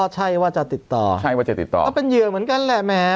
ใช่ว่าจะติดต่อใช่ว่าจะติดต่อก็เป็นเหยื่อเหมือนกันแหละแหม